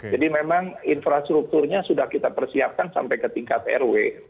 jadi memang infrastrukturnya sudah kita persiapkan sampai ke tingkat rw